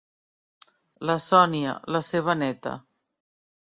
La Sonia, la seva neta.